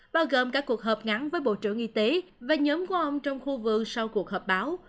bao gồm cả cuộc họp ngắn với bộ trưởng y tế và nhóm của ông trong khu vườn sau cuộc họp báo